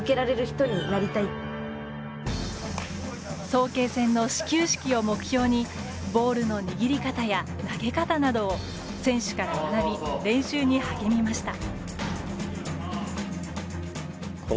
早慶戦の始球式を目標にボールの握り方や投げ方などを選手から学び練習に励みました。